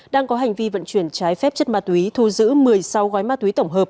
đang có hành vi vận chuyển trái phép chất ma túy thu giữ một mươi sáu gói ma túy tổng hợp